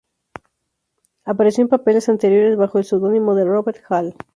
Apareció en papeles anteriores bajo el seudónimo de Robert Hall.